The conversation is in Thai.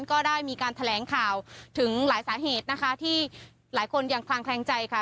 ก็ได้มีการแถลงข่าวถึงหลายสาเหตุนะคะที่หลายคนยังคลางแคลงใจค่ะ